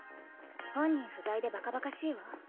本人不在でバカバカしいわ。